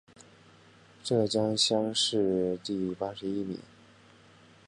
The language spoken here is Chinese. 浙江乡试第八十一名。